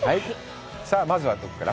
さあ、まずはどこから？